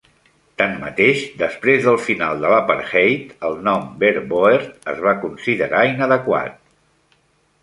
Tanmateix, després del final de l'apartheid, el nom Verwoerd es va considerar inadequat.